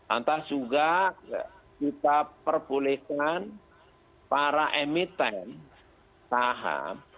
entah juga kita perbolehkan para emiten saham